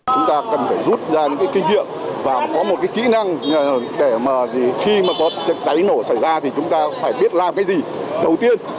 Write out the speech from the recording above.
chúng ta cần phải rút ra những cái kinh nghiệm và có một cái kỹ năng để mà khi mà có cháy nổ xảy ra thì chúng ta phải biết làm cái gì đầu tiên